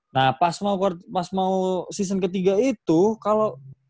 nah pas mau season ketiga itu kalau